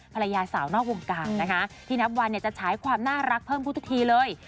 ภรรยาสาวนอกวงการนะคะที่นับวันจะฉายความน่ารักเพิ่มขึ้นทุกทีเลย